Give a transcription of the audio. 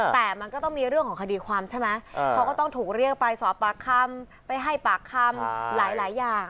แต่มันก็ต้องมีเรื่องของคดีความใช่ไหมเขาก็ต้องถูกเรียกไปสอบปากคำไปให้ปากคำหลายอย่าง